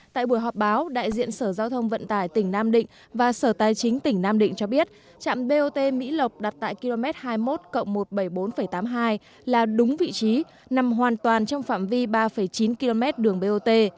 tại buổi họp báo đại diện sở giao thông vận tải tỉnh nam định và sở tài chính tỉnh nam định cho biết trạm bot mỹ lộc đặt tại km hai mươi một một trăm bảy mươi bốn tám mươi hai là đúng vị trí nằm hoàn toàn trong phạm vi ba chín km đường bot